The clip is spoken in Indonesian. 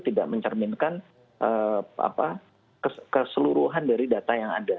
tidak mencerminkan keseluruhan dari data yang ada